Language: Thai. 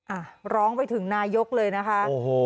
อ่ะร้องไปถึงนายกเลยนะคะโอ้โห